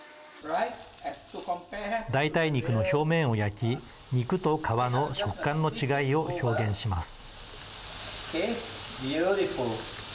代替肉の表面を焼き肉と皮の食感の違いを表現します。